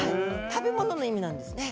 食べ物の意味なんですね。